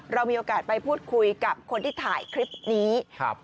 เรามีโอกาสไปพูดคุยกับคนที่ถ่ายคลิปนี้ครับ